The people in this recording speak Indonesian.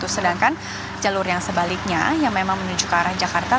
sedangkan jalur yang sebaliknya yang memang menuju ke arah jakarta